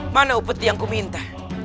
mana upeti yang kuminta